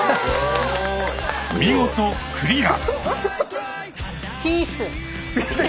見事クリア。